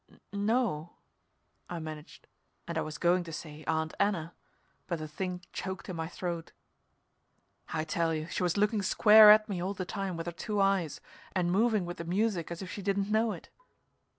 "N no," I managed, and I was going to say "Aunt Anna," but the thing choked in my throat. I tell you she was looking square at me all the time with her two eyes and moving with the music as if she didn't know it.